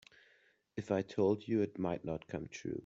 If I told you it might not come true.